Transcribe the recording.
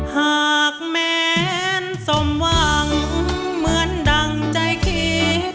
หากแม้นสมหวังเหมือนดั่งใจคิด